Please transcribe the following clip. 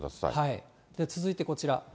続いてこちら。